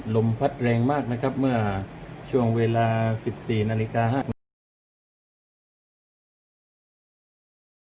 ลมพัดแรงมากนะครับเมื่อช่วงเวลาสิบสี่นาฬิกาห้า